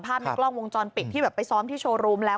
ในกล้องวงจรปิดที่แบบไปซ้อมที่โชว์รูมแล้ว